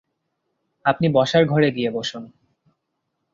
আপনি বসার ঘরে গিয়ে বসুন।